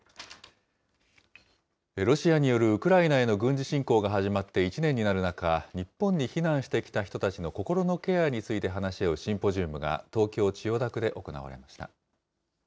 ロシアによるウクライナへの軍事侵攻が始まって１年になる中、日本に避難してきた人たちの心のケアについて話し合うシンポジウムが、東京・千代田区で行われました。